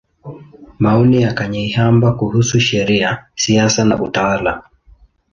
Maoni ya Kanyeihamba kuhusu Sheria, Siasa na Utawala.